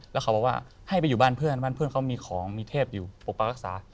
แล้วเขาบอกว่าให้ไปอยู่บ้านเพื่อนบ้านเพื่อนเขามีของมีเทพอยู่ปกปักรักษา